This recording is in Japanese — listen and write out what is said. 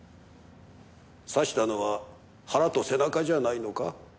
刺したのは腹と背中じゃないのか？